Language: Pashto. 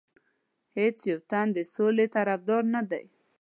هیڅ یو تن د سولې طرفدار نه دی.